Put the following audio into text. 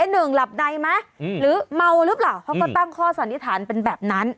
หนึ่งหลับในไหมหรือเมาหรือเปล่าเขาก็ตั้งข้อสันนิษฐานเป็นแบบนั้น